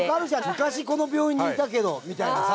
昔この病院にいたけどみたいなさ。